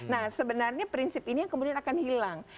nah sebenarnya prinsip ini yang kemudian akan hilang